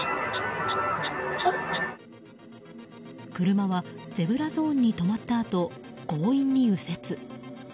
車はゼブラゾーンに止まったあと強引に右折。